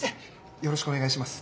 よろしくお願いします。